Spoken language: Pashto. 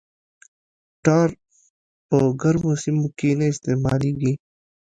ټار په ګرمو سیمو کې نه استعمالیږي